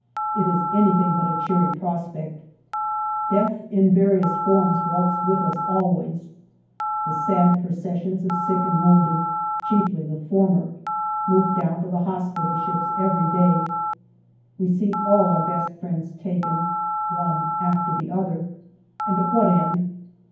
It is anything but a cheery prospect. Death in various forms walks with us always ; the sad processions of sick and wounded chiefly the former move down to the hospital ships every day ; we see all our best friends taken, one after the other and to what end